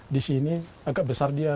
di sini agak besar dia